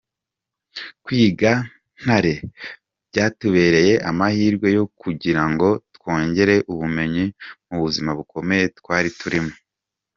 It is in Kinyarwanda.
Kwiga Ntare byatubereye amahirwe yo kugirango twongere ubumenyi mu buzima bukomeye twari turimo.